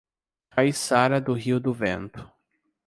Caiçara do Rio do Vento